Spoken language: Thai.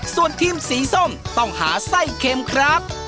ส่วนทีมสีส้มต้องหาไส้เค็มครับ